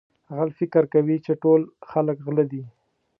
غل فکر کوي چې ټول خلک غله دي.